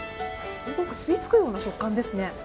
すごく吸い付くような食感ですね。